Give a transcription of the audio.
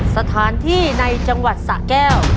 สถานที่ในจังหวัดสะแก้ว